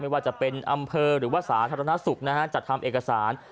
ว่าจะเป็นอำเภอหรือว่าสาธารณสุขนะฮะจัดทำเอกสาร